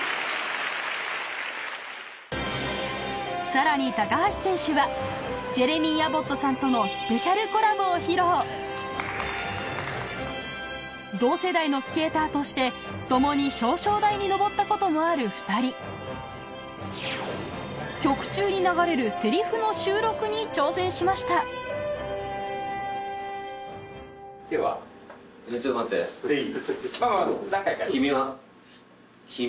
さらに高橋選手はジェレミー・アボットさんとのを披露同世代のスケーターとして共に表彰台に上ったこともある２人曲中に流れるセリフの収録に挑戦しましたではプレー。